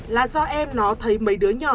là do em nó thấy mấy đứa nhỏ